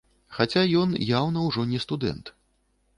Хаця ён яўна ўжо не студэнт.